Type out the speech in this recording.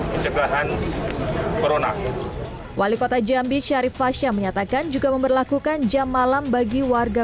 pencegahan corona wali kota jambi syarif fasya menyatakan juga memperlakukan jam malam bagi warga